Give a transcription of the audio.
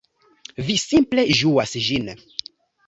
Vi simple ĝuas ĝin.